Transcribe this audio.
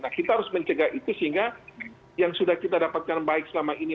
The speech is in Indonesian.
nah kita harus mencegah itu sehingga yang sudah kita dapatkan baik selama ini